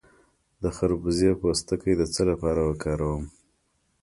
د خربوزې پوستکی د څه لپاره وکاروم؟